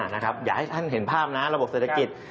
อยากให้ท่านเห็นภาพนะระบบเศรษฐกิจ